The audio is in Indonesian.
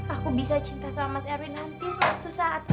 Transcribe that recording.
aku bisa cinta sama mas erwin nanti suatu saat